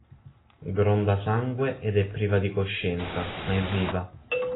Gronda sangue ed è priva di coscienza, ma è viva.